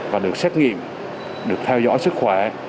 và được xét nghiệm được theo dõi sức khỏe